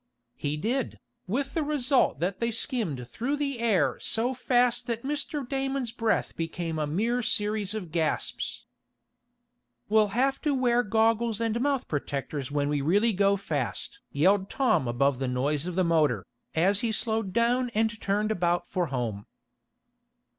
He did, with the result that they skimmed through the air so fast that Mr. Damon's breath became a mere series of gasps. "We'll have to wear goggles and mouth protectors when we really go fast!" yelled Tom above the noise of the motor, as he slowed down and turned about for home.